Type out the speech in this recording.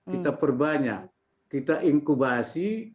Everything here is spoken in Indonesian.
kita perbanyak kita inkubasi